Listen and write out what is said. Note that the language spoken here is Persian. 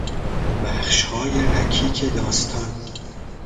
بخشهای رکیک داستان